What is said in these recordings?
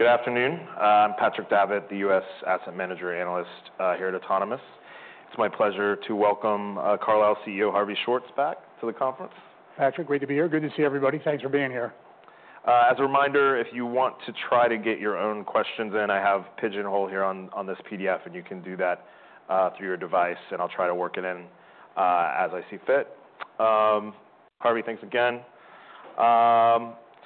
Good afternoon. I'm Patrick Davitt, the U.S. Asset Manager Analyst here at Autonomous. It's my pleasure to welcome Carlyle CEO Harvey Schwartz back to the conference. Patrick, great to be here. Good to see everybody. Thanks for being here. As a reminder, if you want to try to get your own questions in, I have a Pigeonhole here on this PDF, and you can do that through your device, and I'll try to work it in as I see fit. Harvey, thanks again.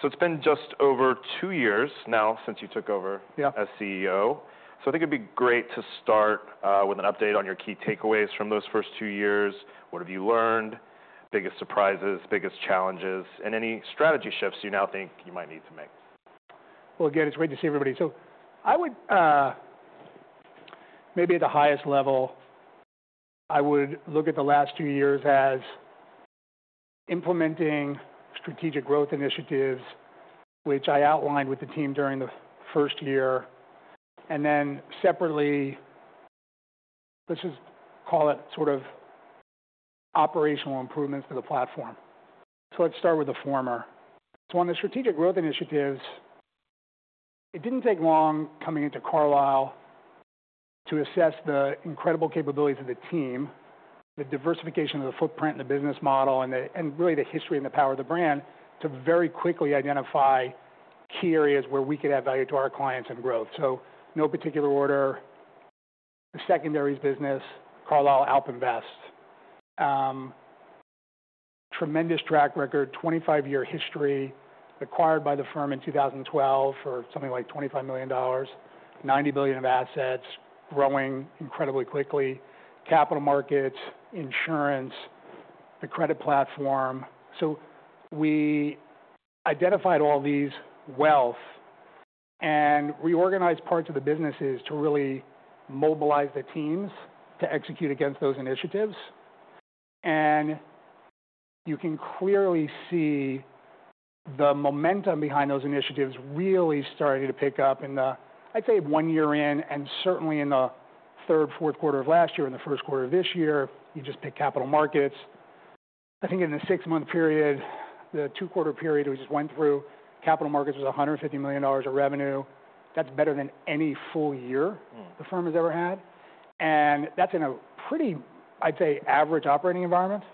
It has been just over two years now since you took over as CEO. I think it'd be great to start with an update on your key takeaways from those first two years. What have you learned? Biggest surprises, biggest challenges, and any strategy shifts you now think you might need to make? It is great to see everybody. I would, maybe at the highest level, look at the last two-years as implementing strategic growth initiatives, which I outlined with the team during the first year. Separately, let's just call it sort of operational improvements to the platform. Let's start with the former. On the strategic growth initiatives, it did not take long coming into Carlyle to assess the incredible capabilities of the team, the diversification of the footprint and the business model, and really the history and the power of the brand to very quickly identify key areas where we could add value to our clients and growth. In no particular order, the secondary business, Carlyle AlpInvest. Tremendous track record, 25-year history, acquired by the firm in 2012 for something like $25 million, $90 billion of assets, growing incredibly quickly. Capital markets, insurance, the credit platform. We identified all these wealth and reorganized parts of the businesses to really mobilize the teams to execute against those initiatives. You can clearly see the momentum behind those initiatives really starting to pick up in the, I'd say, one year in, and certainly in the third, fourth-quarter of last year, in the first-quarter of this year. You just pick capital markets. I think in the six-month period, the two-quarter period we just went through, capital markets was $150 million of revenue. That's better than any full year the firm has ever had. That's in a pretty, I'd say, average operating environment.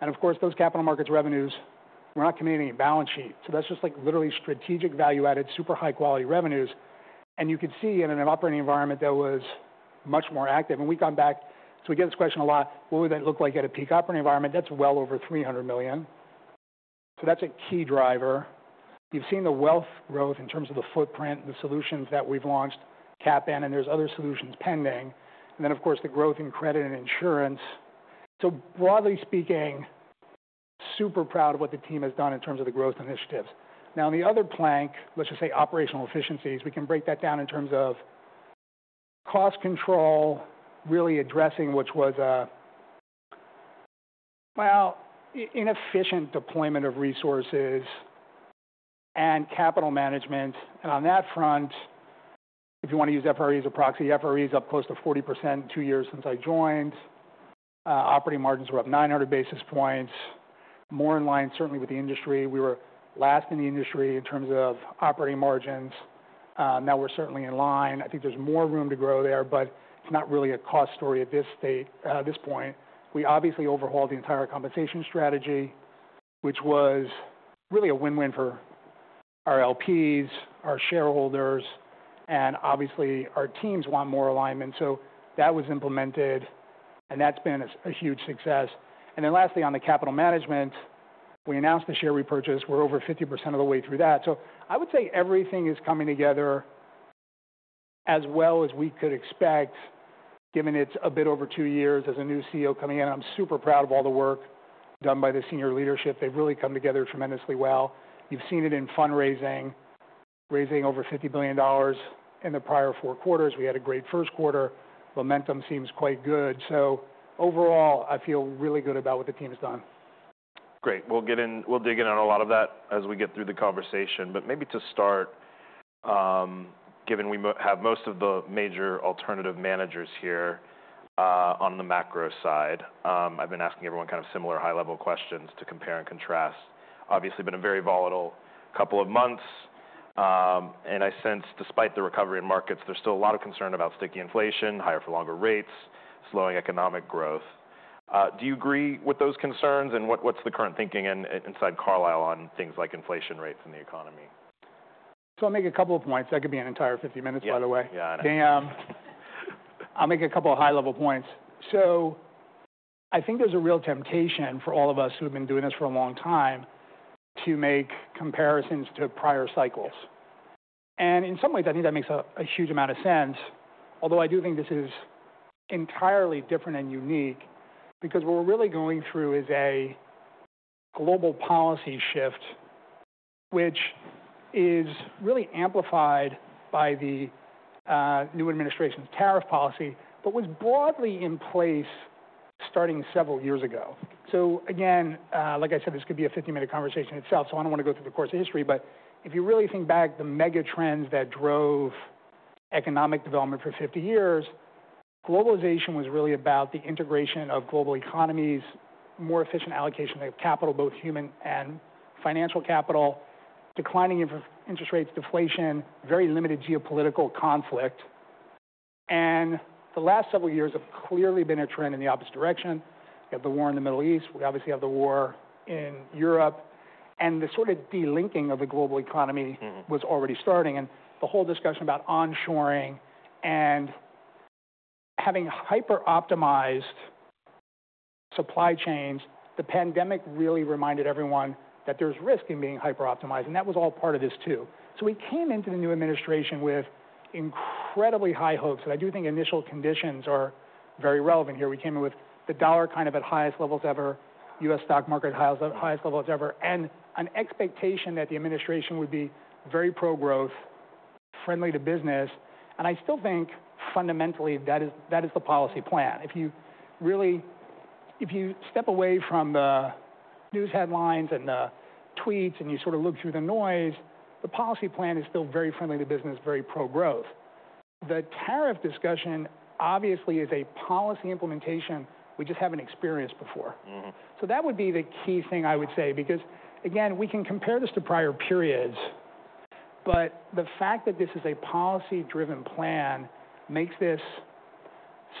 Of course, those capital markets revenues, we're not committing any balance sheet. That's just like literally strategic value-added, super high-quality revenues. You could see in an operating environment that was much more active. We have gone back. We get this question a lot. What would that look like at a peak operating environment? That is well over $300 million. That is a key driver. You have seen the wealth growth in terms of the footprint and the solutions that we have launched, CAPN, and there are other solutions pending. Of course, the growth in credit and insurance. Broadly speaking, I am super proud of what the team has done in terms of the growth initiatives. Now, on the other plank, let us just say operational efficiencies, we can break that down in terms of cost control, really addressing what was an inefficient deployment of resources and capital management. On that front, if you want to use FRE as a proxy, FRE is up close to 40% in two-years since I joined. Operating margins were up 900 basis points, more in line certainly with the industry. We were last in the industry in terms of operating margins. Now we're certainly in line. I think there's more room to grow there, but it's not really a cost story at this point. We obviously overhauled the entire compensation strategy, which was really a win-win for our LPs, our shareholders, and obviously our teams want more alignment. That was implemented, and that's been a huge success. Lastly, on the capital management, we announced the share repurchase. We're over 50% of the way through that. I would say everything is coming together as well as we could expect, given it's a bit over two years as a new CEO coming in. I'm super proud of all the work done by the senior leadership. They've really come together tremendously well. You've seen it in fundraising, raising over $50 billion in the prior four-quarters. We had a great first-quarter. Momentum seems quite good. Overall, I feel really good about what the team has done. Great. We'll dig in on a lot of that as we get through the conversation. Maybe to start, given we have most of the major alternative managers here on the macro side, I've been asking everyone kind of similar high-level questions to compare and contrast. Obviously, it's been a very volatile couple of months. I sense, despite the recovery in markets, there's still a lot of concern about sticky inflation, higher-for-longer rates, slowing economic growth. Do you agree with those concerns? What's the current thinking inside Carlyle on things like inflation rates in the economy? I'll make a couple of points. That could be an entire 50-minutes, by the way. Yeah, I know. I'll make a couple of high-level points. I think there's a real temptation for all of us who have been doing this for a long time to make comparisons to prior-cycles. In some ways, I think that makes a huge amount of sense. Although I do think this is entirely different and unique because what we're really going through is a global policy shift, which is really amplified by the new administration's tariff policy, but was broadly in place starting several years ago. Again, like I said, this could be a 50-minute conversation itself, so I don't want to go through the course of history. If you really think back, the mega trends that drove economic development for 50-years, globalization was really about the integration of global economies, more efficient allocation of capital, both human and financial capital, declining interest rates, deflation, very limited geopolitical conflict. The last several years have clearly been a trend in the opposite direction. You have the war in the Middle East. We obviously have the war in Europe. The sort of delinking of the global economy was already starting. The whole discussion about onshoring and having hyper-optimized supply chains, the pandemic really reminded everyone that there is risk in being hyper-optimized. That was all part of this too. We came into the new administration with incredibly high hopes. I do think initial conditions are very relevant here. We came in with the dollar kind of at highest levels ever, U.S. Stock market at highest levels ever, and an expectation that the administration would be very pro-growth, friendly to business. I still think fundamentally that is the policy plan. If you step away from the news headlines and the tweets and you sort of look through the noise, the policy plan is still very friendly to business, very pro-growth. The tariff discussion obviously is a policy implementation we just have not experienced before. That would be the key thing I would say because, again, we can compare this to prior periods, but the fact that this is a policy-driven plan makes this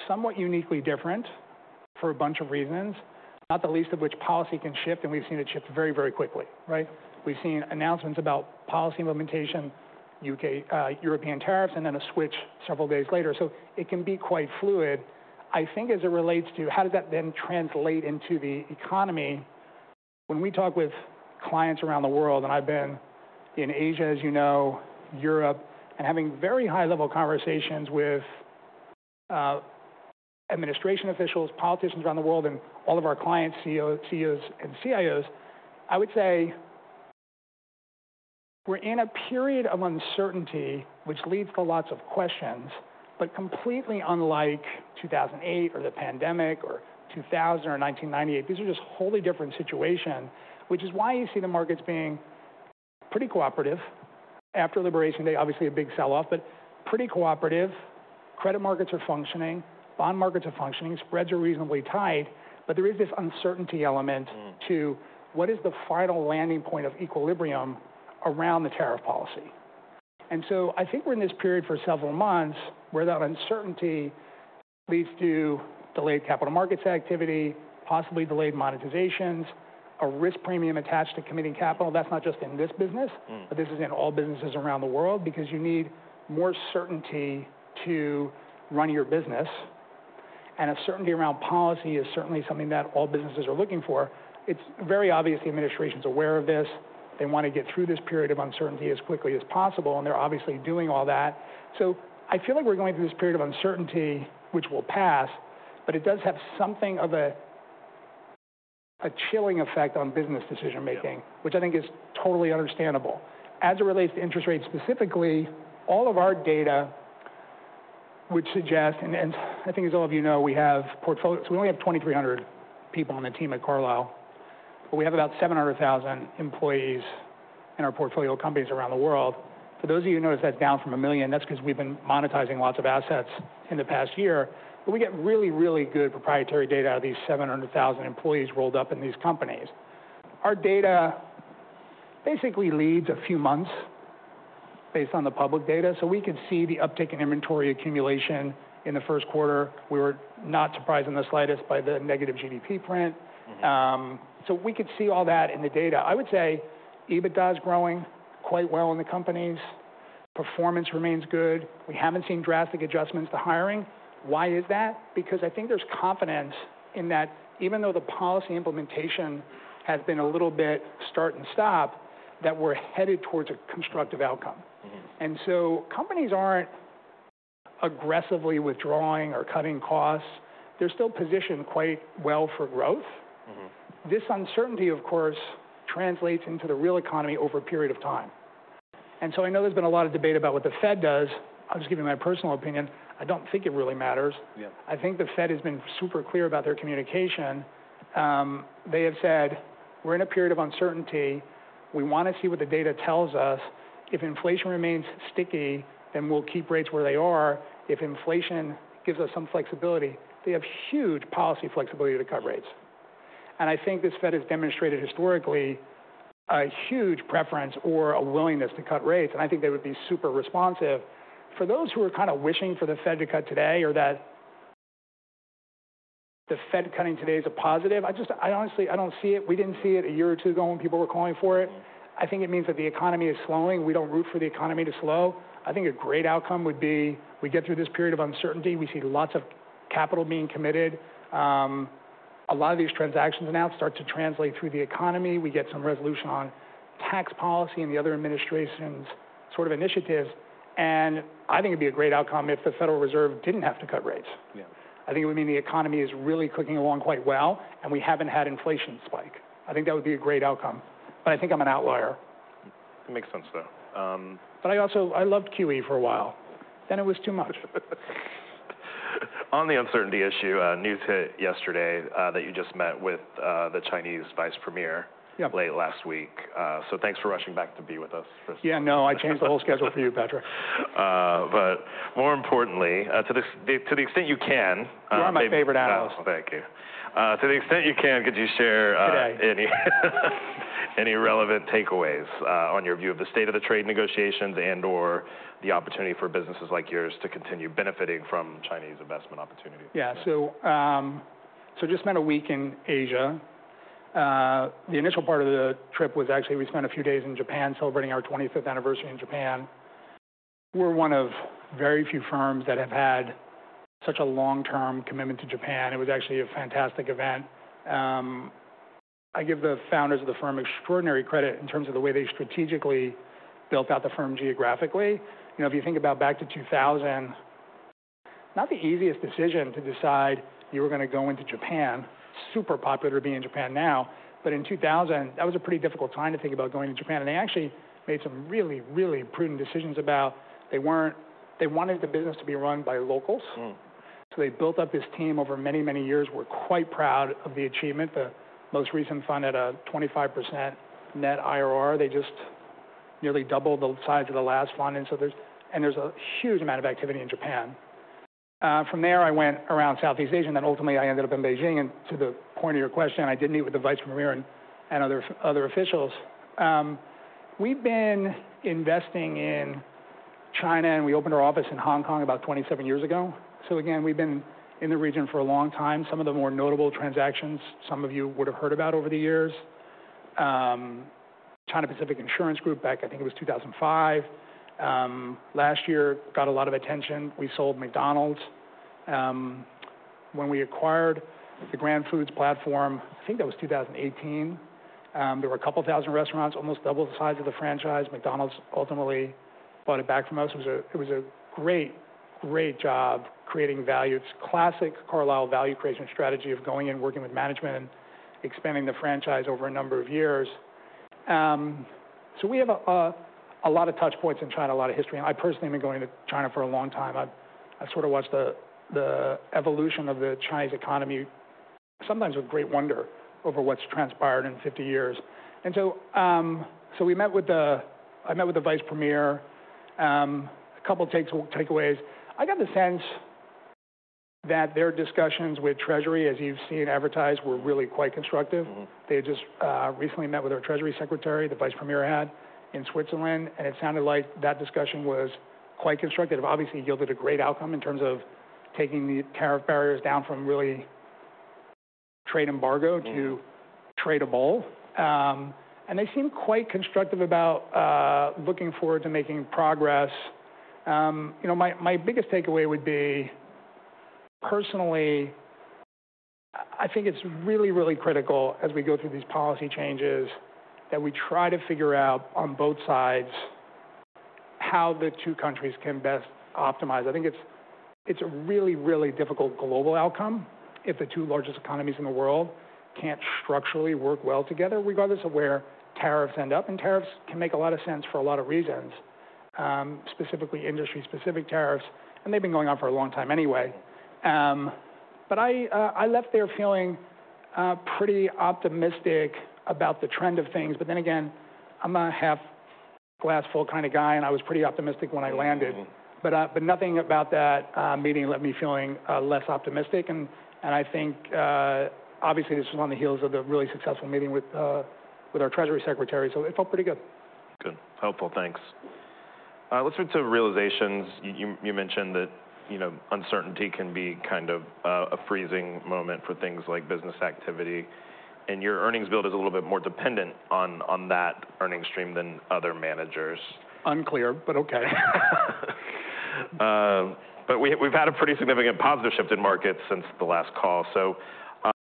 somewhat uniquely different for a bunch of reasons, not the least of which policy can shift, and we have seen it shift very, very quickly. We have seen announcements about policy implementation, European tariffs, and then a switch several days later. It can be quite fluid. I think as it relates to how does that then translate into the economy? When we talk with clients around the world, and I've been in Asia, as you know, Europe, and having very high-level conversations with administration officials, politicians around the world, and all of our clients, CEOs and CIOs, I would say we're in a period of uncertainty, which leads to lots of questions, but completely unlike 2008 or the pandemic or 2000 or 1998. These are just wholly different situations, which is why you see the markets being pretty cooperative after Liberation Day, obviously a big sell-off, but pretty cooperative. Credit markets are functioning. Bond markets are functioning. Spreads are reasonably tight, but there is this uncertainty element to what is the final landing point of equilibrium around the tariff policy. I think we're in this period for several months where that uncertainty leads to delayed capital markets activity, possibly delayed monetizations, a risk premium attached to committing capital. That's not just in this business, but this is in all businesses around the world because you need more certainty to run your business. A certainty around policy is certainly something that all businesses are looking for. It's very obvious the administration's aware of this. They want to get through this period of uncertainty as quickly as possible, and they're obviously doing all that. I feel like we're going through this period of uncertainty, which will pass, but it does have something of a chilling effect on business decision-making, which I think is totally understandable. As it relates to interest rates specifically, all of our data would suggest, and I think as all of you know, we have portfolios. We only have 2,300 people on the team at Carlyle, but we have about 700,000 employees in our portfolio companies around the world. For those of you who notice, that's down from a million. That's because we've been monetizing lots of assets in the past year. We get really, really good proprietary data out of these 700,000 employees rolled up in these companies. Our data basically leads a few months based on the public data. We could see the uptick in inventory accumulation in the first quarter. We were not surprised in the slightest by the negative GDP print. We could see all that in the data. I would say EBITDA is growing quite well in the companies. Performance remains good. We haven't seen drastic adjustments to hiring. Why is that? Because I think there's confidence in that even though the policy implementation has been a little-bit start-and-stop, that we're headed towards a constructive outcome. Companies aren't aggressively withdrawing or cutting costs. They're still positioned quite well for growth. This uncertainty, of course, translates into the real economy over a period of time. I know there's been a lot of debate about what the Fed does. I'm just giving my personal opinion. I don't think it really matters. I think the Fed has been super clear about their communication. They have said, "We're in a period of uncertainty. We want to see what the data tells us. If inflation remains sticky, then we'll keep rates where they are. If inflation gives us some flexibility," they have huge policy flexibility to cut rates. I think this Fed has demonstrated historically a huge preference or a willingness to cut-rates. I think they would be super responsive. For those who are kind of wishing for the Fed to cut-today or that the Fed cutting today is a positive, I honestly, I do not see it. We did not see it a year or two ago when people were calling for it. I think it means that the economy is slowing. We do not root for the economy to slow. I think a great outcome would be we get through this period of uncertainty. We see lots of capital being committed. A lot of these transactions now start to translate through the economy. We get some resolution on tax policy and the other administration's sort of initiatives. I think it would be a great outcome if the Federal Reserve did not have to cut-rates. I think it would mean the economy is really cooking along quite well, and we haven't had inflation-spike. I think that would be a great outcome. I think I'm an outlier. That makes sense, though. I loved QE for a while. Then it was too much. On the uncertainty issue, news hit yesterday that you just met with the Chinese vice premier late last week. Thanks for rushing back to be with us. Yeah, no, I changed the whole schedule for you, Patrick. More importantly, to the extent you can. You're my favorite analyst. Thank you. To the extent you can, could you share any relevant takeaways on your view of the state of the trade negotiations and/or the opportunity for businesses like yours to continue benefiting from Chinese investment opportunities? Yeah. I just spent a week in Asia. The initial part of the trip was actually we spent a few days in Japan celebrating our 25th anniversary in Japan. We're one of very few firms that have had such a long-term commitment to Japan. It was actually a fantastic event. I give the founders of the firm extraordinary credit in terms of the way they strategically built out the firm geographically. If you think about back to 2000, not the easiest decision to decide you were going to go into Japan. Super popular to be in Japan now. In 2000, that was a pretty difficult time to think about going to Japan. They actually made some really, really prudent decisions about they wanted the business to be run by locals. They built up this team over many, many years. We're quite proud of the achievement. The most recent fund had a 25% net IRR. They just nearly doubled the size of the last fund. There is a huge amount of activity in Japan. From there, I went around Southeast Asia. Ultimately, I ended up in Beijing. To the point of your question, I did meet with the vice premier and other officials. We have been investing in China, and we opened our office in Hong Kong about 27 years ago. We have been in the region for a long time. Some of the more notable transactions some of you would have heard about over the years: China Pacific Insurance Group, back I think it was 2005. Last year, got a lot of attention. We sold McDonald's. When we acquired the Grand Food platform, I think that was 2018, there were a couple thousand restaurants, almost double the size of the franchise. McDonald's ultimately bought it back from us. It was a great, great job creating value. It's classic Carlyle value-creation strategy of going and working with management and expanding the franchise over a number of years. We have a lot of touchpoints in China, a lot of history. I personally have been going to China for a long time. I've sort of watched the evolution of the Chinese economy, sometimes with great wonder over what's transpired in 50 years. I met with the vice premier, a couple takeaways. I got the sense that their discussions with Treasury, as you've seen advertised, were really quite constructive. They had just recently met with our Treasury secretary, the vice premier had in Switzerland. It sounded like that discussion was quite constructive. Obviously, it yielded a great outcome in terms of taking the tariff barriers down from really trade embargo to tradeable. They seem quite constructive about looking forward to making progress. My biggest takeaway would be, personally, I think it's really, really critical as we go through these policy changes that we try to figure out on both sides how the two countries can best optimize. I think it's a really, really difficult global outcome if the two largest economies in the world can't structurally work well together regardless of where tariffs end up. Tariffs can make a lot of sense for a lot of reasons, specifically industry-specific tariffs. They've been going on for a long time anyway. I left there feeling pretty optimistic about the trend of things. I am a half-glass-full kind of guy, and I was pretty optimistic when I landed. Nothing about that meeting left me feeling less optimistic. I think obviously this was on the heels of the really successful meeting with our Treasury secretary. It felt pretty good. Good. Helpful. Thanks. Let's move to realizations. You mentioned that uncertainty can be kind of a freezing moment for things like business activity. And your earnings build is a little bit more dependent on that earnings stream than other managers. Unclear, but okay. We've had a pretty significant positive-shift in markets since the last call.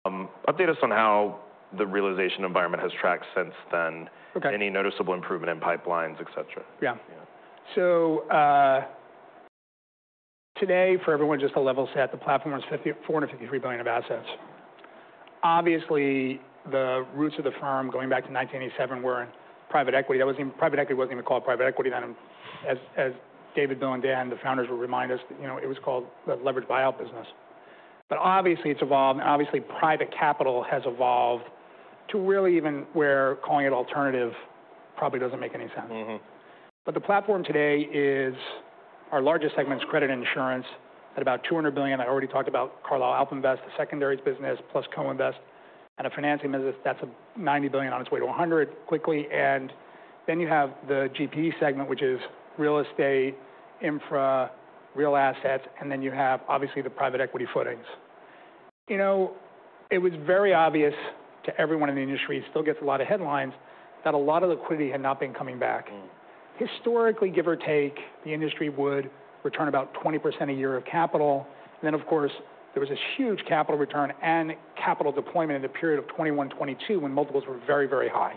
Update us on how the realization environment has tracked since then. Any noticeable improvement in pipelines, etc.? Yeah. So today, for everyone just to level set, the platform has $453 billion of assets. Obviously, the roots of the firm going back to 1987 were in private equity. Private equity was not even called private equity then, as David, Bill, and Dan, the founders, would remind us, it was called the leveraged buyout business. But obviously, it has evolved. And obviously, private-capital has evolved to really even where calling it alternative probably does not make any sense. The platform today is our largest segment is credit insurance at about $200 billion. I already talked about Carlyle AlpInvest, the secondary business, plus Co-Invest and a financing business that is $90 billion on its way to $100 billion quickly. Then you have the GPE segment, which is real estate, infra, real assets, and then you have obviously the private equity footings. It was very obvious to everyone in the industry, still gets a lot of headlines, that a lot of liquidity had not been coming back. Historically, give or take, the industry would return about 20% a year-of-capital. Of course, there was this huge capital return and capital deployment in the period of 2021, 2022 when multiples were very, very high.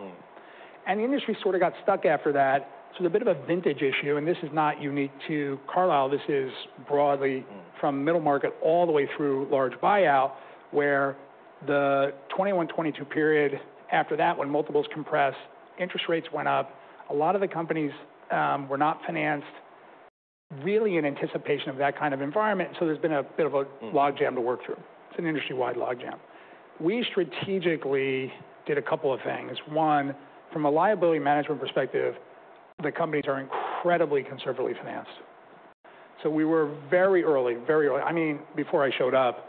The industry sort of got stuck after that. It is a bit of a vintage issue. This is not unique to Carlyle. This is broadly from middle market all the way through large buyout where the 2021, 2022 period after that when multiples compressed, interest rates went up. A lot of the companies were not financed really in anticipation of that kind of environment. There has been a bit of a log jam to work through. It is an industry-wide log jam. We strategically did a couple of things. One, from a liability management perspective, the companies are incredibly conservatively financed. I mean, we were very early, very early. I mean, before I showed up,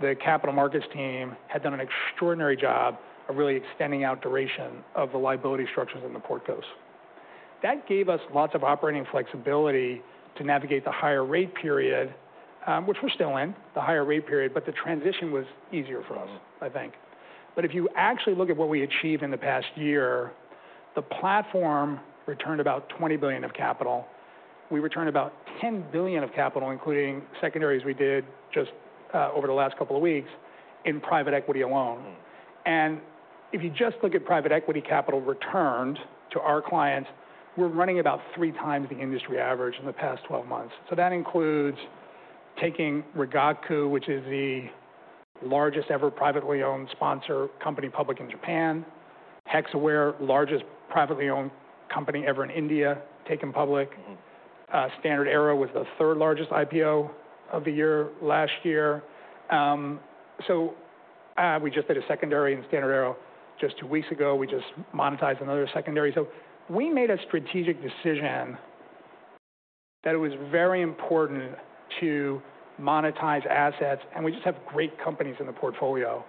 the capital markets team had done an extraordinary job of really extending out duration of the liability structures in the portfolio. That gave us lots of operating flexibility to navigate the higher rate period, which we're still in, the higher rate period, but the transition was easier for us, I think. If you actually look at what we achieved in the past year, the platform returned about $20 billion of capital. We returned about $10 billion of capital, including secondaries we did just over the last couple of weeks in private equity alone. If you just look at private equity capital returned to our clients, we're running about three times the industry average in the past 12 months. That includes taking Rigaku, which is the largest ever privately owned sponsor company public in Japan, Hexaware, largest privately owned company ever in India, taken public. StandardAero was the third largest IPO of the year last year. We just did a secondary in StandardAero just two weeks ago. We just monetized another secondary. We made a strategic decision that it was very important to monetize assets. We just have great companies in the portfolio.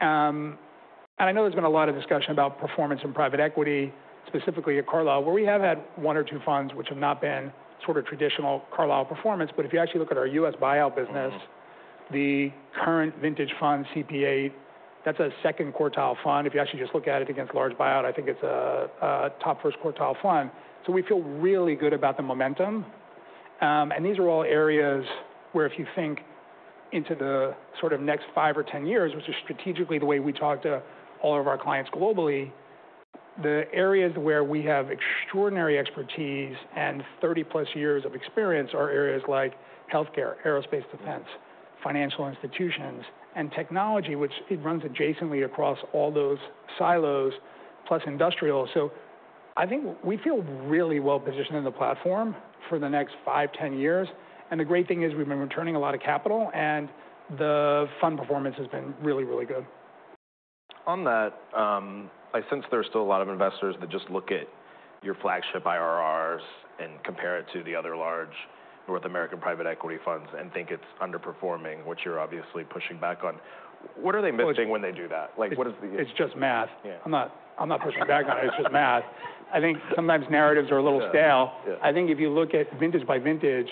I know there's been a lot of discussion about performance in private-equity, specifically at Carlyle, where we have had one or two funds which have not been sort of traditional Carlyle performance. If you actually look at our U.S. buyout business, the current vintage fund CP8, that's a second-quartile fund. If you actually just look at it against large buyout, I think it's a top first-quartile fund. We feel really good about the momentum. These are all areas where if you think into the sort of next 5 or 10 years, which is strategically the way we talk to all of our clients globally, the areas where we have extraordinary expertise and 30+ years of experience are areas like healthcare, aerospace defense, financial institutions, and technology, which runs adjacently across all those silos, plus industrial. I think we feel really well positioned in the platform for the next 5, 10 years. The great thing is we've been returning a lot of capital. The fund performance has been really, really good. On that, I sense there are still a lot of investors that just look at your flagship IRRs and compare it to the other large North American private-equity funds and think it's underperforming, which you're obviously pushing back on. What are they missing when they do that? It's just math. I'm not pushing back on it. It's just math. I think sometimes narratives are a little stale. I think if you look at vintage-by-vintage,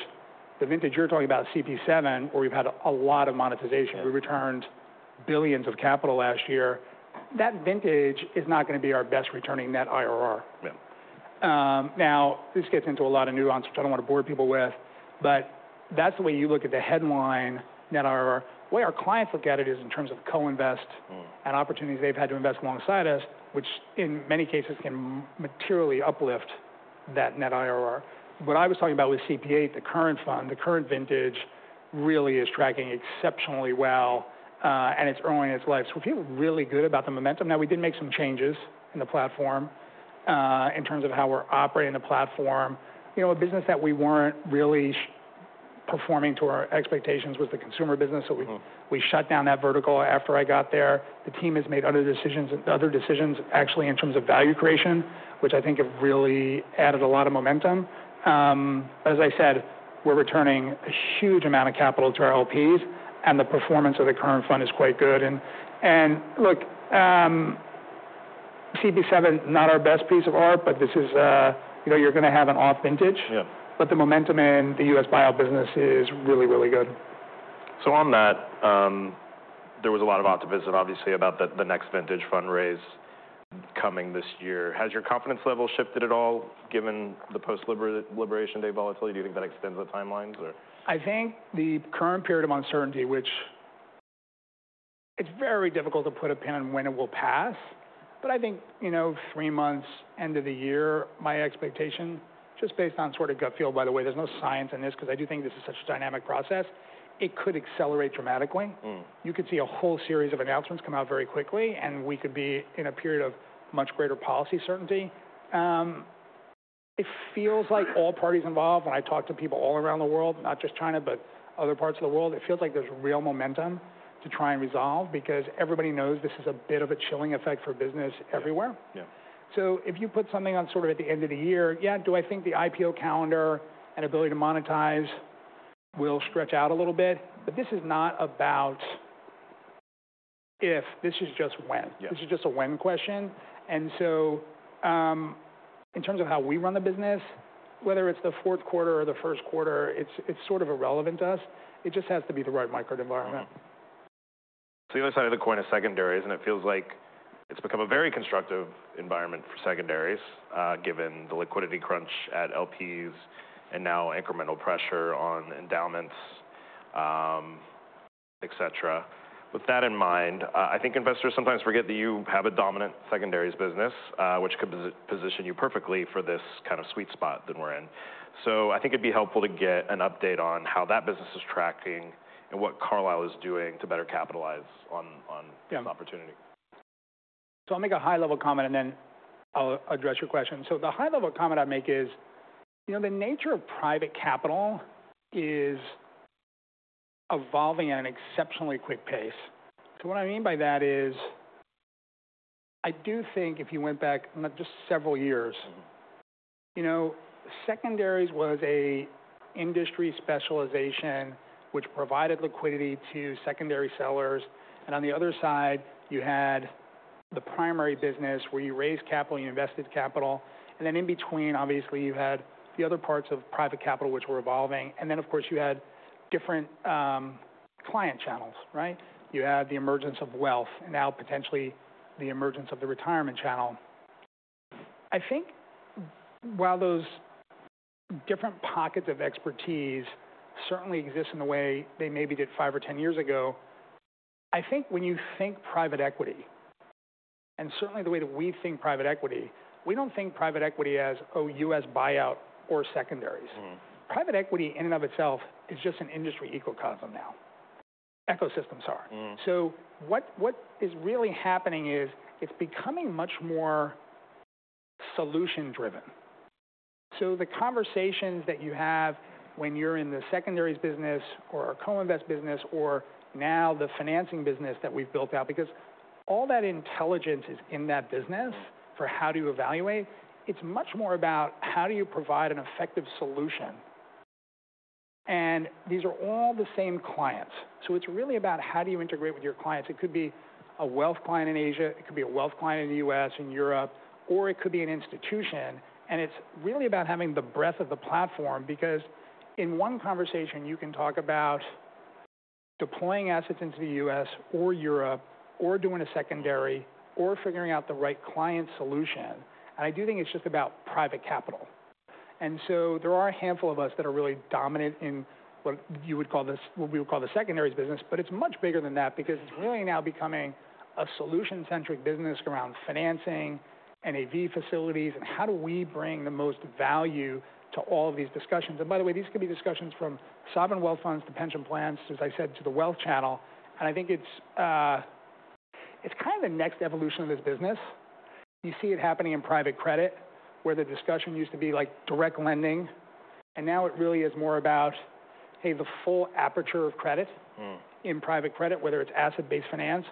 the vintage you're talking about, CP7, where we've had a lot of monetization, we returned billions of capital last year. That vintage is not going to be our best returning net IRR. Now, this gets into a lot of nuance, which I don't want to bore people with. That's the way you look at the headline net IRR. The way our clients look at it is in terms of Co-Invest and opportunities they've had to invest alongside us, which in many cases can materially uplift that net IRR. What I was talking about with CP8, the current fund, the current vintage really is tracking exceptionally well and it's early in its life. We feel really good about the momentum. Now, we did make some changes in the platform in terms of how we're operating the platform. A business that we weren't really performing to our expectations was the consumer business. We shut down that vertical after I got there. The team has made other decisions, actually, in terms of value creation, which I think have really added a lot of momentum. As I said, we're returning a huge amount of capital to our LPs. The performance of the current fund is quite good. Look, CP7, not our best piece of art, but this is, you're going to have an off vintage. The momentum in the U.S. buyout business is really, really good. On that, there was a lot of optimism, obviously, about the next vintage fundraise coming this year. Has your confidence level shifted at all given the post-liberation day volatility? Do you think that extends the timelines? I think the current period of uncertainty, which it's very difficult to put-a-pin on when it will pass. I think three months, end of the year, my expectation, just based on sort of gut feel, by the way, there's no science in this because I do think this is such a dynamic process, it could accelerate dramatically. You could see a whole series of announcements come out very quickly. We could be in a period of much greater policy certainty. It feels like all parties involved, when I talk to people all around the world, not just China, but other parts of the world, it feels like there's real momentum to try and resolve because everybody knows this is a bit of a chilling effect for business everywhere. If you put something on sort of at the end of the year, yeah, do I think the IPO calendar and ability to monetize will stretch out a little bit? This is not about if. This is just when. This is just a when question. In terms of how we run the business, whether it is the fourth-quarter or the first-quarter, it is sort of irrelevant to us. It just has to be the right micro environment. The other side of the coin is secondaries. It feels like it's become a very constructive environment for secondaries given the liquidity crunch at LPs and now incremental pressure on endowments, etc. With that in mind, I think investors sometimes forget that you have a dominant secondaries business, which could position you perfectly for this kind of sweet spot that we're in. I think it'd be helpful to get an update on how that business is tracking and what Carlyle is doing to better capitalize on this opportunity. I'll make a high-level comment, and then I'll address your question. The high-level comment I make is the nature of private-capital is evolving at an exceptionally quick pace. What I mean by that is I do think if you went back just several years, secondaries was an industry specialization, which provided liquidity to secondary sellers. On the other-side, you had the primary business where you raised capital, you invested capital. In between, obviously, you had the other parts of private capital, which were evolving. Of course, you had different client channels. You had the emergence of wealth and now potentially the emergence of the retirement channel. I think while those different pockets of expertise certainly exist in the way they maybe did five or ten years ago, I think when you think private equity and certainly the way that we think private equity, we do not think private-equity as, oh, U.S. buyout or secondaries. Private equity in and of itself is just an industry ecosystem now. Ecosystems are. What is really happening is it is becoming much more solution-driven. The conversations that you have when you are in the secondaries business or a Co-Invest business or now the financing business that we have built out, because all that intelligence is in that business for how do you evaluate, it is much more about how do you provide an effective solution. These are all the same clients. It is really about how do you integrate with your clients. It could be a wealth client in Asia. It could be a wealth client in the U.S., in Europe, or it could be an institution. It is really about having the breadth of the platform because in one conversation, you can talk about deploying assets into the U.S. or Europe or doing a secondary or figuring out the right client solution. I do think it is just about private capital. There are a handful of us that are really dominant in what you would call this, what we would call the secondaries business. It is much bigger than that because it is really now becoming a solution-centric business around financing and AV facilities and how do we bring the most value to all of these discussions. By the way, these could be discussions from sovereign wealth funds to pension plans, as I said, to the wealth channel. I think it is kind of the next evolution of this business. You see it happening in private credit where the discussion used to be like direct lending. Now it really is more about, hey, the full aperture of credit in private-credit, whether it is asset-based finance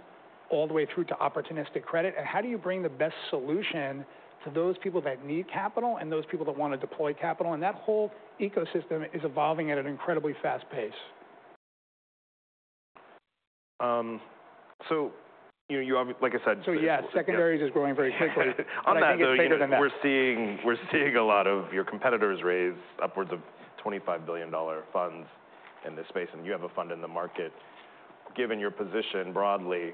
all the way through to opportunistic credit. How do you bring the best solution to those people that need capital and those people that want to deploy capital? That whole ecosystem is evolving at an incredibly fast pace. So you obviously, like I said. Yeah, secondaries is growing very quickly. On that note, we're seeing a lot of your competitors raise upwards of $25 billion funds in this space. You have a fund in the market. Given your position broadly,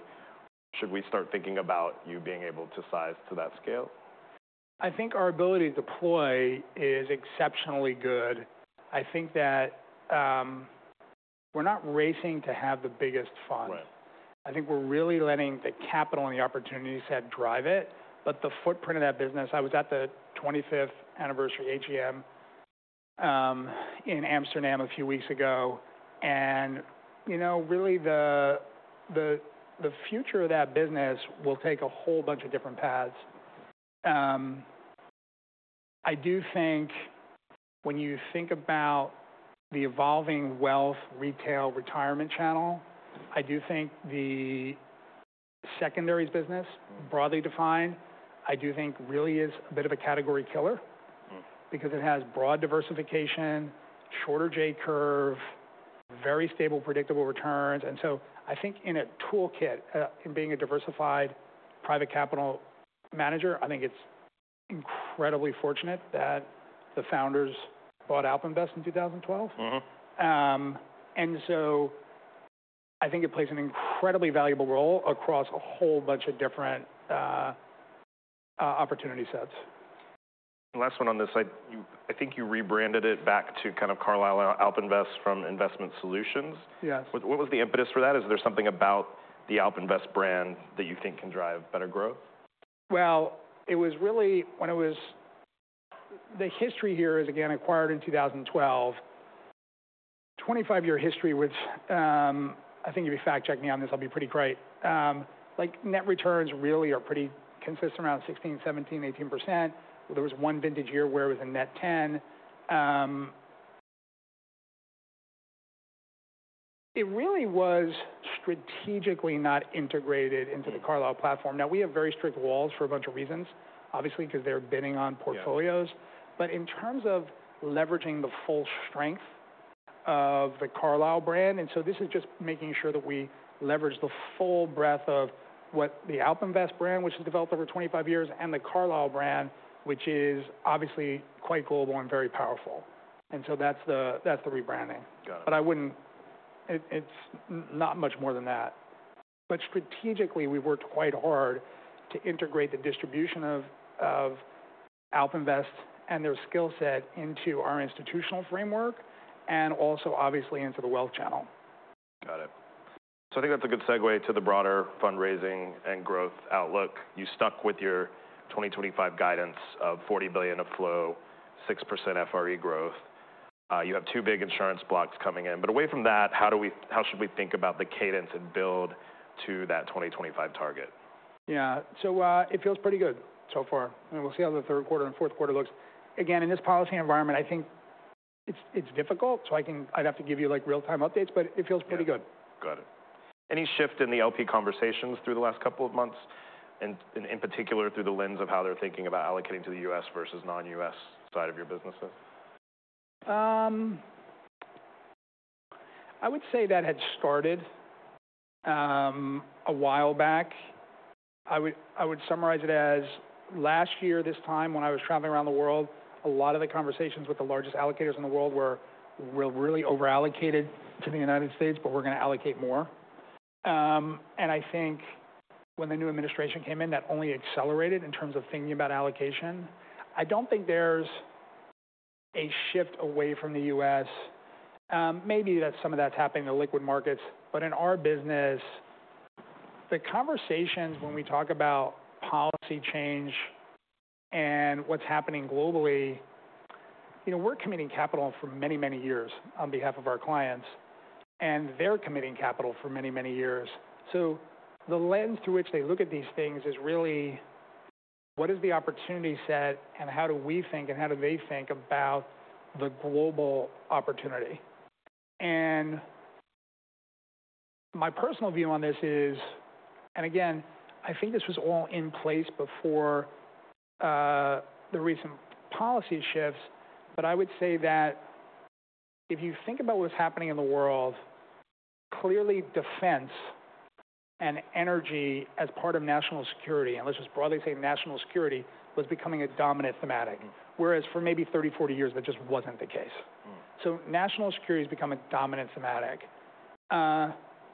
should we start thinking about you being able to size to that scale? I think our ability to deploy is exceptionally good. I think that we're not racing to have the biggest fund. I think we're really letting the capital and the opportunity set drive it. The footprint of that business, I was at the 25th anniversary AGM in Amsterdam a few weeks ago. Really, the future of that business will take a whole bunch of different paths. I do think when you think about the evolving wealth retail retirement channel, I do think the secondaries business, broadly defined, I do think really is a bit of a category killer because it has broad diversification, shorter J curve, very stable predictable returns. I think in a toolkit, in being a diversified private capital manager, I think it's incredibly fortunate that the founders bought AlpInvest in 2012. I think it plays an incredibly valuable role across a whole bunch of different opportunity sets. Last one on this. I think you rebranded it back to kind of Carlyle AlpInvest from Investment Solutions. What was the impetus for that? Is there something about the AlpInvest brand that you think can drive better growth? It was really when it was the history here is again acquired in 2012. 25-year history, which I think if you fact-check me on this, I'll be pretty great. Net returns really are pretty consistent around 16%-17%-18%. There was one vintage year where it was a net 10%. It really was strategically not integrated into the Carlyle platform. Now, we have very strict walls for a bunch of reasons, obviously, because they're bidding on portfolios. In terms of leveraging the full strength of the Carlyle brand, this is just making sure that we leverage the full breadth of what the AlpInvest brand, which has developed over 25-years, and the Carlyle brand, which is obviously quite global and very powerful. That is the rebranding. It is not much more than that. Strategically, we've worked quite hard to integrate the distribution of AlpInvest and their skill set into our institutional framework and also, obviously, into the wealth channel. Got it. I think that's a good segue to the broader fundraising and growth outlook. You stuck with your 2025 guidance of $40 billion of flow, 6% FRE growth. You have two big insurance blocks coming in. Away from that, how should we think about the cadence and build to that 2025 target? Yeah. It feels pretty good so far. We'll see how the third-quarter and fourth-quarter look. Again, in this policy environment, I think it's difficult. I'd have to give you real-time updates. It feels pretty good. Got it. Any shift in the LP conversations through the last couple of months, and in particular through the lens of how they're thinking about allocating to the U.S. versus non-U.S. side of your businesses? I would say that had started a while back. I would summarize it as last-year, this time, when I was traveling around the world, a lot of the conversations with the largest allocators in the world were, we're really overallocated to the U.S., but we're going to allocate more. I think when the new administration came in, that only accelerated in terms of thinking about allocation. I do not think there is a shift away from the U.S. Maybe some of that is happening in the liquid markets. In our business, the conversations when we talk about policy change and what is happening globally, we are committing capital for many, many years on behalf of our clients. They are committing capital for many, many years. The lens through which they look at these things is really, what is the opportunity set and how do we think and how do they think about the global opportunity? My personal view on this is, and again, I think this was all in place before the recent policy shifts. I would say that if you think about what is happening in the world, clearly defense and energy as part of national security, and let's just broadly say national security, was becoming a dominant thematic. Whereas for maybe 30 years-40 years, that just was not the case. National security has become a dominant thematic.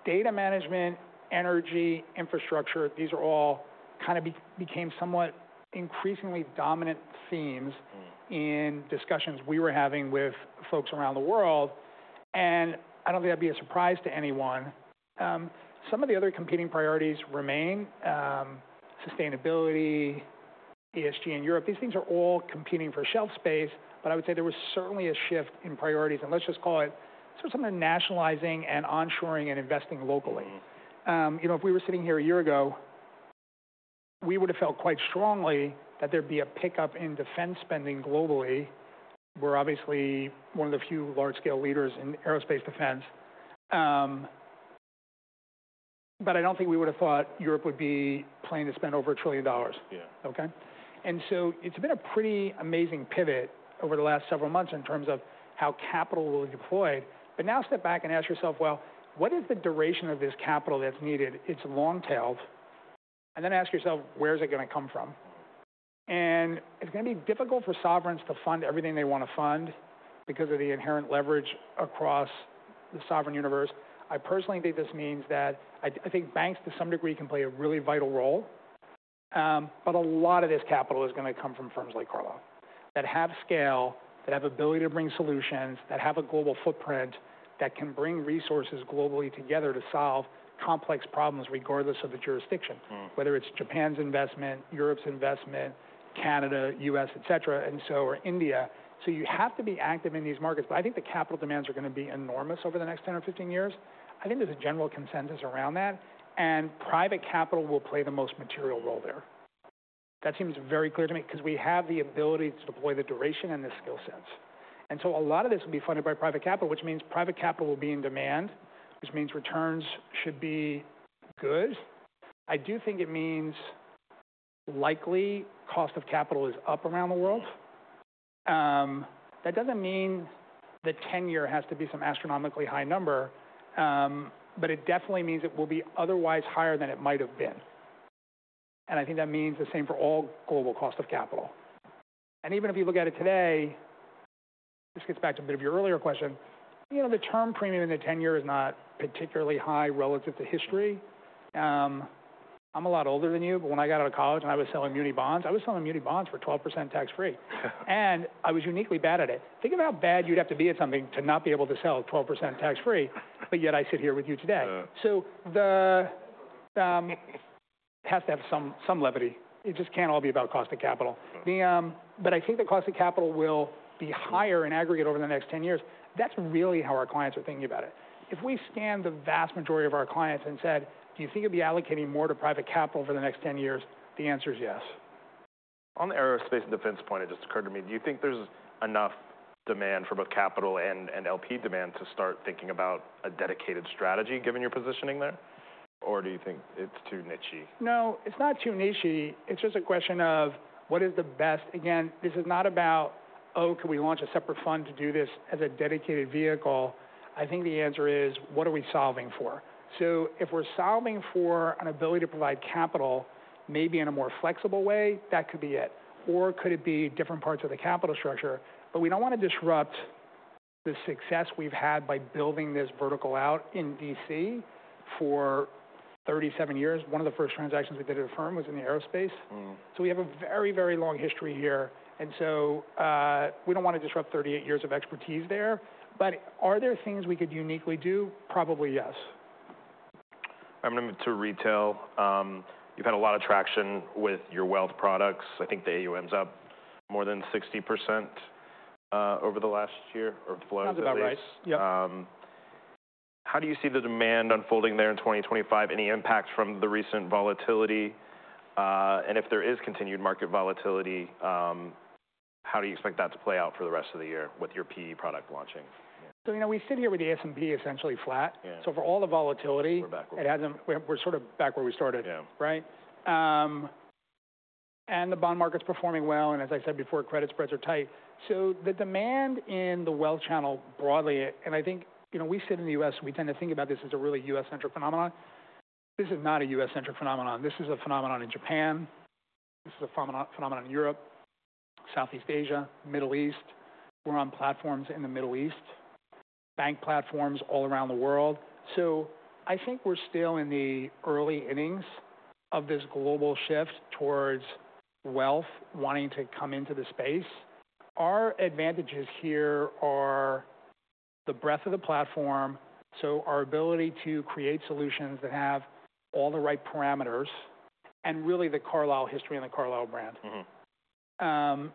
Data management, energy, infrastructure, these all kind of became somewhat increasingly dominant themes in discussions we were having with folks around the world. I do not think that would be a surprise to anyone. Some of the other competing priorities remain sustainability, ESG in Europe. These things are all competing for shelf space. I would say there was certainly a shift in priorities. Let's just call it sort of something nationalizing and onshoring and investing locally. If we were sitting here a year ago, we would have felt quite strongly that there would be a pickup in defense spending globally. We are obviously one of the few large-scale leaders in aerospace defense. I do not think we would have thought Europe would be planning to spend over a trillion-dollars. It has been a pretty amazing pivot over the last several months in terms of how capital will be deployed. Now step back and ask yourself, what is the duration of this capital that is needed? It is long-tailed. Then ask yourself, where is it going to come from? It is going to be difficult for sovereigns to fund everything they want to fund because of the inherent leverage across the sovereign universe. I personally think this means that I think banks to some degree can play a really vital-role. A lot of this capital is going to come from firms like Carlyle that have scale, that have ability to bring solutions, that have a global footprint, that can bring resources globally together to solve complex problems regardless of the jurisdiction, whether it is Japan's investment, Europe's investment, Canada, U.S., etc., and India. You have to be active in these markets. I think the capital demands are going to be enormous over the next 10 or 15 years. I think there is a general consensus around that. Private-capital will play the most material role there. That seems very clear to me because we have the ability to deploy the duration and the skill sets. A lot of this will be funded by private-capital, which means private capital will be in demand, which means returns should be good. I do think it means likely cost of capital is up around the world. That does not mean the 10-year has to be some astronomically high number. It definitely means it will be otherwise higher than it might have been. I think that means the same for all global cost of capital. Even if you look at it today, this gets back to a bit of your earlier question. The term premium in the 10-year is not particularly high relative to history. I am a lot older than you. When I got out of college and I was selling uni-bonds, I was selling uni bonds for 12% tax-free. I was uniquely bad at it. Think of how bad you'd have to be at something to not be able to sell 12% tax-free. Yet I sit here with you today. It has to have some levity. It just cannot all be about cost of capital. I think the cost of capital will be higher in aggregate over the next 10-years. That is really how our clients are thinking about it. If we scanned the vast majority of our clients and said, do you think you'll be allocating more to private capital for the next 10-years? The answer is yes. On the aerospace and defense point, it just occurred to me, do you think there's enough demand for both capital and LP demand to start thinking about a dedicated strategy given your positioning there? Or do you think it's too niche? No, it's not too niche. It's just a question of what is the best. Again, this is not about, oh, can we launch a separate fund to do this as a dedicated vehicle? I think the answer is, what are we solving for? If we're solving for an ability to provide capital, maybe in a more flexible way, that could be it. Or could it be different parts of the capital structure? We don't want to disrupt the success we've had by building this vertical out in D.C. for 37-years. One of the first transactions we did at a firm was in the aerospace. We have a very, very long history here. We don't want to disrupt 38-years of expertise there. Are there things we could uniquely do? Probably yes. I'm going to move to retail. You've had a lot of traction with your wealth products. I think the AUM's up more than 60% over the last-year or flows. That's about right. How do you see the demand unfolding there in 2025? Any impact from the recent volatility? If there is continued market volatility, how do you expect that to play out for the rest of the year with your PE product launching? We sit here with the S&P essentially flat. For all the volatility, we're sort of back where we started, right? The bond market's performing well. As I said before, credit spreads are tight. The demand in the wealth channel broadly, and I think we sit in the U.S., we tend to think about this as a really U.S.-centric phenomenon. This is not a U.S.-centric phenomenon. This is a phenomenon in Japan. This is a phenomenon in Europe, Southeast Asia, Middle East. We're on platforms in the Middle East, bank platforms all around the world. I think we're still in the early innings of this global shift towards wealth wanting to come into the space. Our advantages here are the breadth of the platform, so our ability to create solutions that have all the right parameters, and really the Carlyle history and the Carlyle brand.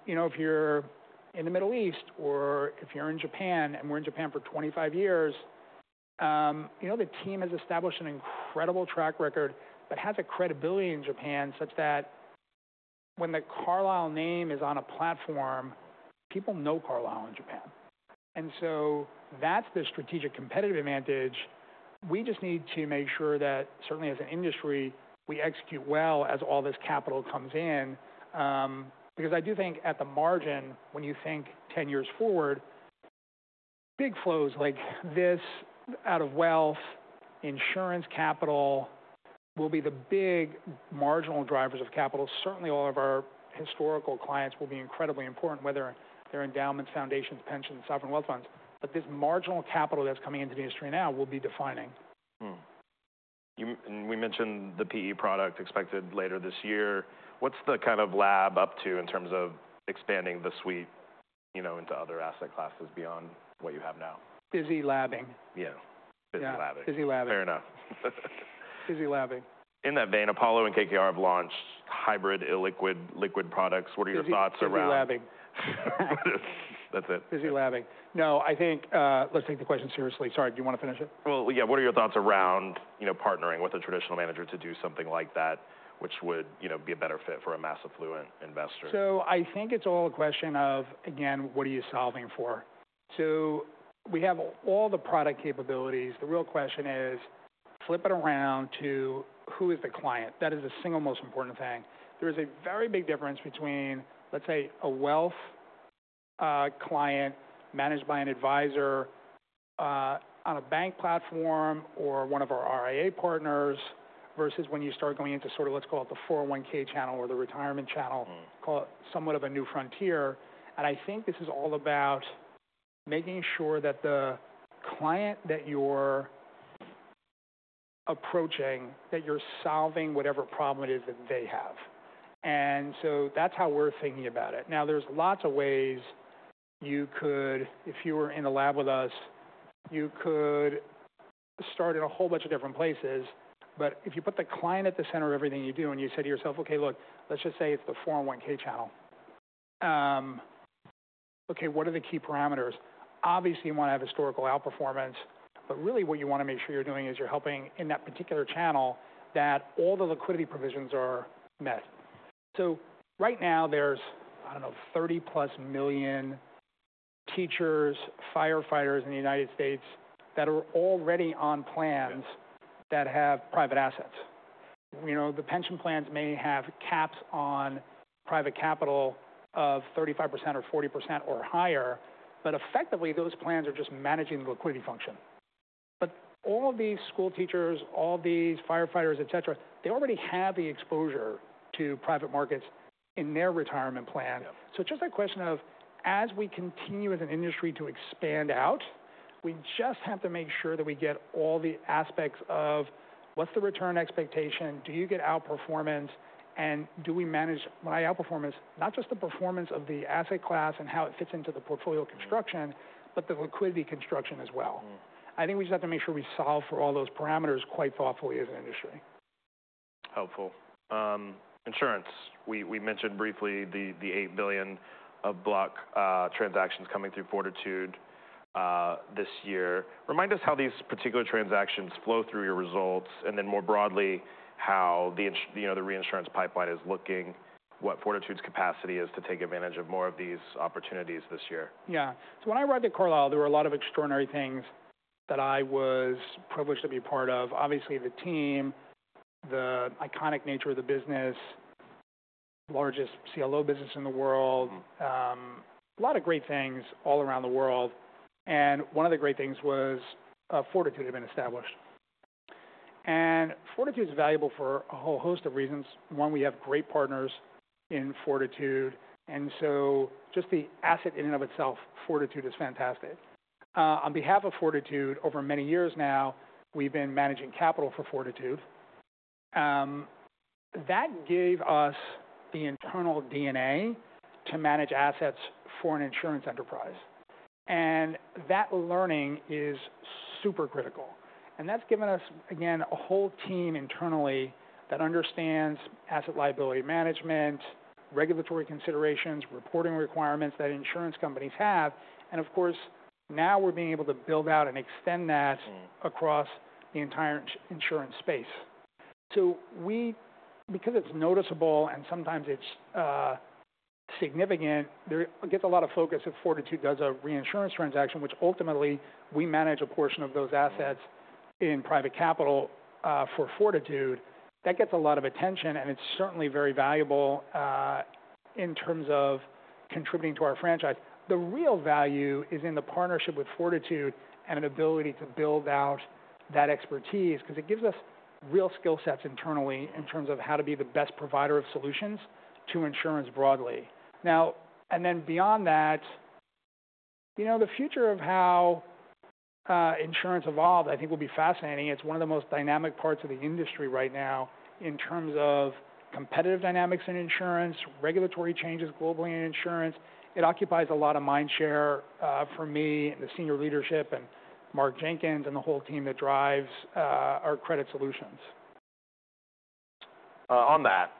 If you're in the Middle East or if you're in Japan, and we're in Japan for 25-years, the team has established an incredible track record that has a credibility in Japan such that when the Carlyle name is on a platform, people know Carlyle in Japan. That is the strategic competitive advantage. We just need to make sure that certainly as an industry, we execute well as all this capital comes in. I do think at the margin, when you think 10-years forward, big flows like this out of wealth, insurance capital will be the big marginal drivers of capital. Certainly, all of our historical clients will be incredibly important, whether they're endowments, foundations, pensions, sovereign wealth funds. This marginal capital that's coming into the industry now will be defining. We mentioned the PE product expected later this year. What's the kind of lab up-to in terms of expanding the suite into other asset classes beyond what you have now? Busy labbing. Yeah. Busy labbing. Yeah. Busy labbing. Fair enough. Busy labbing. In that vein, Apollo and KKR have launched hybrid, illiquid, liquid products. What are your thoughts around. Busy labbing. That's it. Busy labbing. No, I think let's take the question seriously. Sorry, do you want to finish it? What are your thoughts around partnering with a traditional manager to do something like that, which would be a better-fit for a mass affluent investor? I think it is all a question of, again, what are you solving for? We have all the product capabilities. The real question is, flip-it around to who is the client? That is the single most important thing. There is a very big difference between, let's say, a wealth client managed by an advisor on a bank platform or one of our RIA partners versus when you start going into sort of, let's call it the 401(k) channel or the retirement-channel, call it somewhat of a new-frontier. I think this is all about making sure that the client that you are approaching, that you are solving whatever problem it is that they have. That is how we are thinking about it. There are lots of ways you could, if you were in a lab with us, you could start in a whole bunch of different places. If you put the client at the center of everything you do and you say to yourself, "Okay, look, let's just say it's the 401(k) channel. Okay, what are the key parameters?" Obviously, you want to have historical outperformance. What you want to make sure you're doing is you're helping in that particular channel that all the liquidity provisions are met. Right now, there's, I don't know, 30+ million teachers, firefighters in the United States that are already on plans that have private-assets. The pension plans may have caps on private capital of 35% or 40% or higher. Effectively, those plans are just managing the liquidity function. All of these school teachers, all these firefighters, etc., they already have the exposure to private markets in their retirement plan. It is just that question of, as we continue as an industry to expand out, we just have to make sure that we get all the aspects of what is the return expectation? Do you get outperformance? And do we manage my outperformance, not just the performance of the asset class and how it fits into the portfolio construction, but the liquidity construction as well? I think we just have to make sure we solve for all those parameters quite thoughtfully as an industry. Helpful. Insurance. We mentioned briefly the $8 billion of block transactions coming through Fortitude this year. Remind us how these particular transactions flow through your results. More broadly, how the reinsurance pipeline is looking, what Fortitude's capacity is to take advantage of more of these opportunities this year. Yeah. When I arrived at Carlyle, there were a lot of extraordinary things that I was privileged to be part of. Obviously, the team, the iconic nature of the business, largest CLO business in the world, a lot of great things all around the world. One of the great things was Fortitude had been established. Fortitude is valuable for a whole host of reasons. One, we have great partners in Fortitude. Just the asset in and of itself, Fortitude is fantastic. On behalf of Fortitude, over many years now, we have been managing capital for Fortitude. That gave us the internal DNA to manage assets for an insurance enterprise. That learning is super-critical. That has given us, again, a whole team internally that understands asset liability management, regulatory considerations, reporting requirements that insurance companies have. Of course, now we're being able to build out and extend that across the entire insurance space. Because it's noticeable and sometimes it's significant, it gets a lot of focus if Fortitude does a reinsurance transaction, which ultimately we manage a portion of those assets in private capital for Fortitude. That gets a lot of attention. It's certainly very valuable in terms of contributing to our franchise. The real value is in the partnership with Fortitude and an ability to build out that expertise because it gives us real skill sets internally in terms of how to be the best provider of solutions to insurance broadly. Now, beyond that, the future of how insurance evolved, I think, will be fascinating. It's one of the most dynamic parts of the industry right now in terms of competitive dynamics in insurance, regulatory changes globally in insurance. It occupies a lot of mind share for me and the senior leadership and Mark Jenkins and the whole team that drives our credit solutions. On that,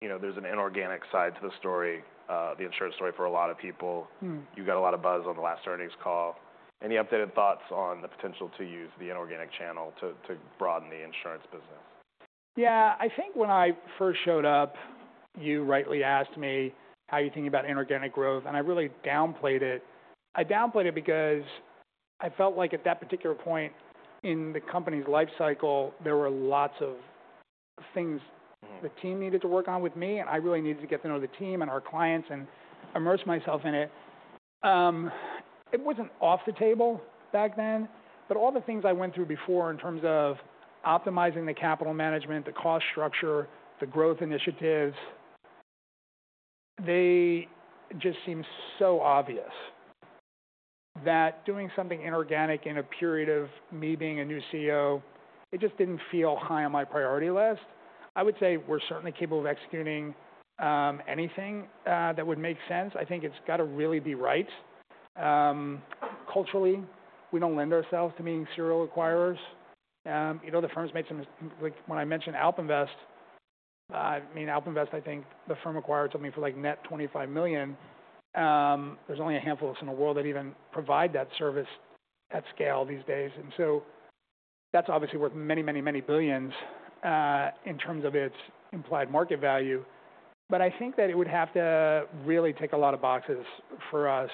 there's an inorganic side to the story, the insurance story for a lot of people. You got a lot of buzz on the last earnings call. Any updated thoughts on the potential to use the inorganic channel to broaden the insurance business? Yeah. I think when I first showed up, you rightly asked me how you're thinking about inorganic growth. I really downplayed it. I downplayed it because I felt like at that particular point in the company's life-cycle, there were lots of things the team needed to work on with me. I really needed to get to know the team and our clients and immerse myself in it. It was not off the table back then. All the things I went through before in terms of optimizing the capital management, the cost structure, the growth initiatives, they just seem so obvious that doing something inorganic in a period of me being a new CEO just did not feel high on my priority list. I would say we're certainly capable of executing anything that would make sense. I think it's got to really be right. Culturally, we do not lend ourselves to meeting serial acquirers. The firm's made some when I mentioned AlpInvest, I mean, AlpInvest, I think the firm acquired something for like net $25 million. There are only a handful of us in the world that even provide that service at scale these days. That is obviously worth many, many, many billions in terms of its implied market-value. I think that it would have to really tick a lot of boxes for us.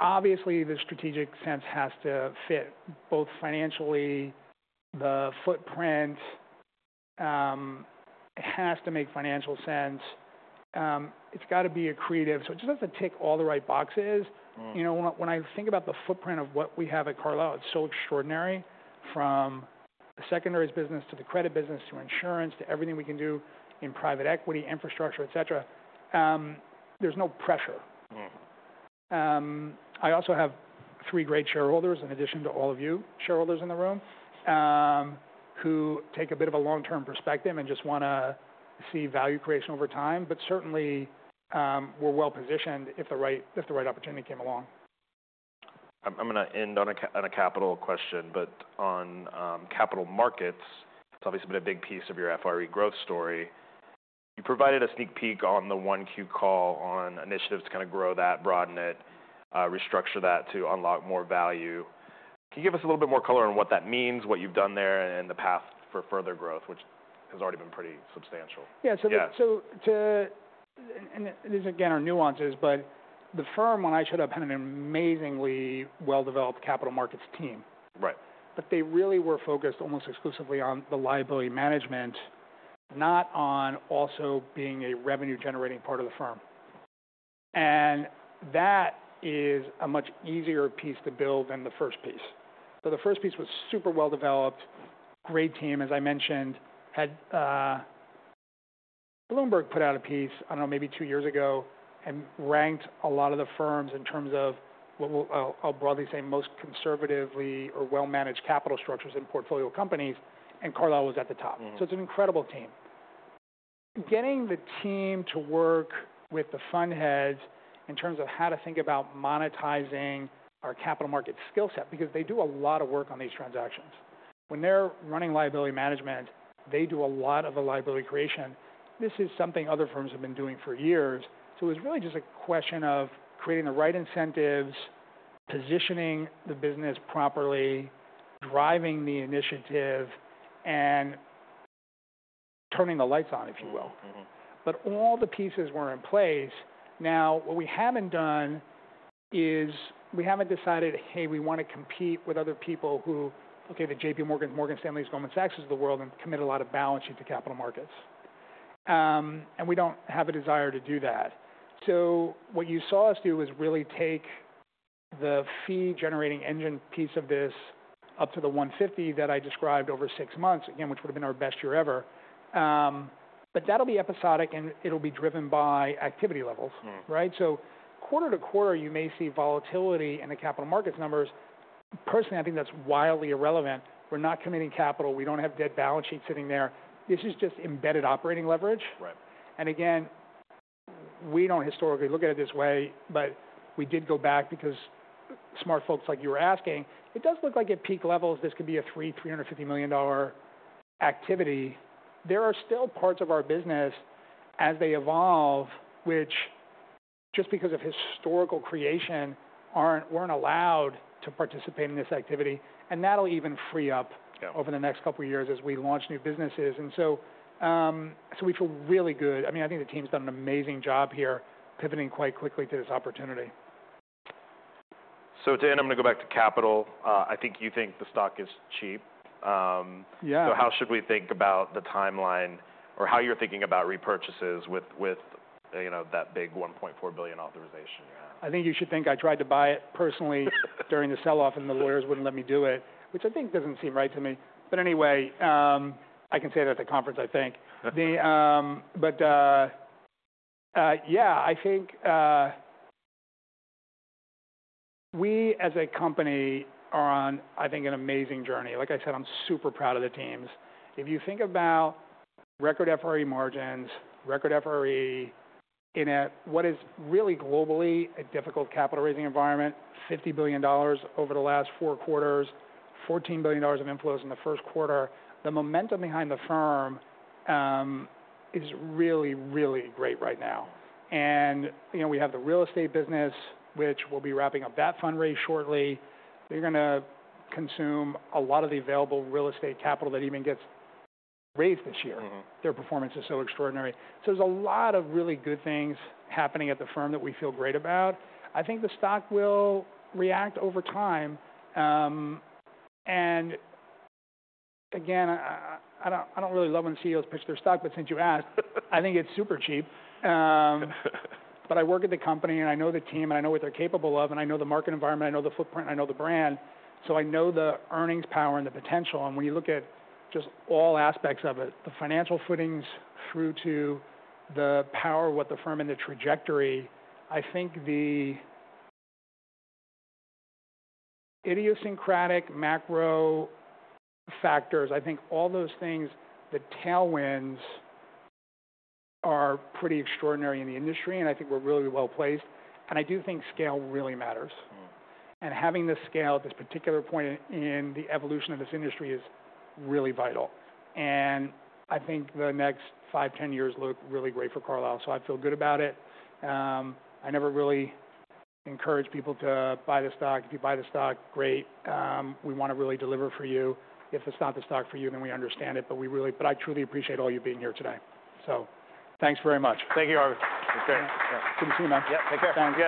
Obviously, the strategic sense has to fit both financially. The footprint has to make financial sense. It has got to be accretive. It just has to tick all the right boxes. When I think about the footprint of what we have at Carlyle, it is so extraordinary from the secondaries business to the credit business to insurance to everything we can do in private equity, infrastructure, etc. There's no pressure. I also have three great shareholders in addition to all of you shareholders in the room who take a bit of a long-term perspective and just want to see value creation over time. Certainly, we're well positioned if the right opportunity came along. I'm going to end on a capital question. On capital markets, it's obviously been a big piece of your FRE growth story. You provided a sneak peek on the 1Q call on initiatives to kind of grow that, broaden it, restructure that to unlock more value. Can you give us a little bit more color on what that means, what you've done there, and the path for further growth, which has already been pretty substantial? Yeah. These are, again, our nuances. The firm, when I showed up, had an amazingly well-developed capital markets team. They really were focused almost exclusively on the liability management, not on also being a revenue-generating part of the firm. That is a much easier piece to build than the first-piece. The first-piece was super well developed, great team. As I mentioned, Bloomberg put out a piece, I do not know, maybe two-years ago, and ranked a lot of the firms in terms of, I will broadly say, most conservatively or well-managed capital structures in portfolio companies. Carlyle was at the top. It is an incredible team. Getting the team to work with the fund heads in terms of how to think about monetizing our capital market skill set because they do a lot of work on these transactions. When they're running liability management, they do a lot of the liability creation. This is something other firms have been doing for years. It was really just a question of creating the right incentives, positioning the business properly, driving the initiative, and turning the lights on, if you will. All the pieces were in place. Now, what we haven't done is we haven't decided, hey, we want to compete with other people who, okay, the JPMorgan, Morgan Stanley, Goldman Sachs of the world, and commit a lot of balance sheet to capital markets. We don't have a desire to do that. What you saw us do was really take the fee-generating engine piece of this up to the 150 that I described over six-months, again, which would have been our best year ever. That'll be episodic. It'll be driven by activity levels. Quarter-to-quarter, you may see volatility in the capital markets numbers. Personally, I think that's wildly irrelevant. We're not committing capital. We don't have dead balance sheets sitting there. This is just embedded operating leverage. Again, we don't historically look at it this way. We did go back because smart folks like you were asking. It does look like at peak levels, this could be a $350 million activity. There are still parts of our business as they evolve, which just because of historical creation, we're not allowed to participate in this activity. That'll even free-up over the next couple of years as we launch new businesses. We feel really good. I mean, I think the team's done an amazing job here pivoting quite quickly to this opportunity. To end, I'm going to go back to capital. I think you think the stock is cheap. How should we think about the timeline or how you're thinking about repurchases with that big $1.4 billion authorization you have? I think you should think I tried to buy it personally during the sell-off. The lawyers would not let me do it, which I think does not seem right to me. Anyway, I can say that at the conference, I think. Yeah, I think we as a company are on, I think, an amazing journey. Like I said, I am super proud of the teams. If you think about record FRE margins, record FRE in what is really globally a difficult capital-raising environment, $50 billion over the last four-quarters, $14 billion of inflows in the first-quarter, the momentum behind the firm is really, really great right now. We have the real estate business, which will be wrapping up that fund raise shortly. They are going to consume a lot of the available real estate capital that even gets raised this year. Their performance is so extraordinary. There is a lot of really good things happening at the firm that we feel great about. I think the stock will react over time. Again, I do not really love when CEOs pitch their stock. Since you asked, I think it is super cheap. I work at the company. I know the team. I know what they are capable of. I know the market environment. I know the footprint. I know the brand. I know the earnings power and the potential. When you look at just all aspects of it, the financial footings through to the power of what the firm and the trajectory, I think the idiosyncratic macro factors, I think all those things, the tailwinds are pretty extraordinary in the industry. I think we are really well placed. I do think scale really matters. Having the scale at this particular point in the evolution of this industry is really vital. I think the next 5-10 years look really great for Carlyle. I feel good about it. I never really encourage people to buy the stock. If you buy the stock, great. We want to really deliver for you. If it is not the stock for you, then we understand it. I truly appreciate all you being here today. Thanks very much. Thank you, Harvey. Good to see you, man. Yeah. Take care. Thanks.